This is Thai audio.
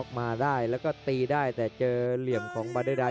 กันต่อแพทย์จินดอร์